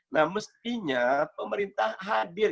nah mestinya pemerintah hadir